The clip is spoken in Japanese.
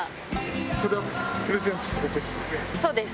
それはプレゼントですね。